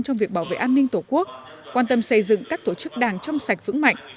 trong việc bảo vệ an ninh tổ quốc quan tâm xây dựng các tổ chức đảng trong sạch vững mạnh